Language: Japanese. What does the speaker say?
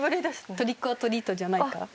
トリック・オア・トリートじゃないか？